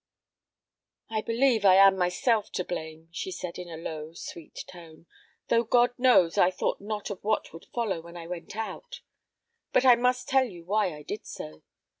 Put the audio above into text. "I believe I am myself to blame," she said, in a low, sweet tone; "though God knows I thought not of what would follow when I went out. But I must tell you why I did so.